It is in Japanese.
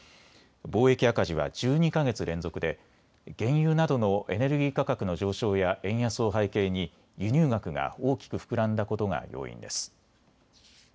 貿易赤字は１２か月連続で原油などのエネルギー価格の上昇や円安を背景に輸入額が大きく膨らんだことが要因です。